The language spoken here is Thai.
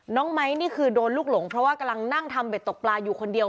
ไม้นี่คือโดนลูกหลงเพราะว่ากำลังนั่งทำเบ็ดตกปลาอยู่คนเดียว